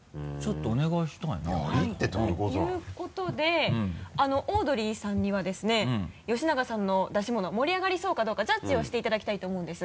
はいということでオードリーさんにはですね吉永さんの出し物盛り上がりそうかどうかジャッジをしていただきたいと思うんです。